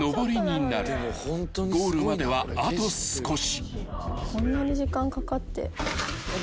［ゴールまではあと少し］